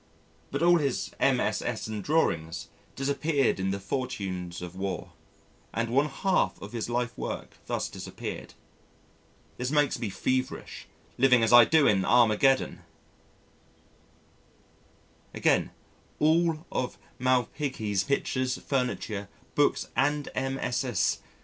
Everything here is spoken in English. But all his MSS. and drawings disappeared in the fortunes of war, and one half of his life work thus disappeared. This makes me feverish, living as I do in Armageddon! Again, all Malpighi's pictures, furniture, books and MSS.